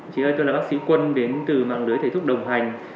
chị ơi tôi là bác sĩ quân đến từ mạng lưới thầy thuốc đồng hành